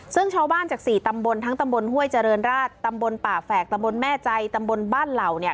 ซึ่งชาวบ้านจากสี่ตำบลทั้งตำบลห้วยเจริญราชตำบลป่าแฝกตำบลแม่ใจตำบลบ้านเหล่าเนี่ย